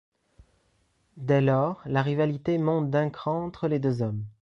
Dès lors la rivalité monte d'un cran entre les deux hommes.